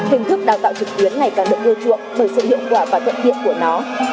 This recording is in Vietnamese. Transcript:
hình thức đào tạo trực tuyến ngày càng được ưa chuộng bởi sự hiệu quả và thuận tiện của nó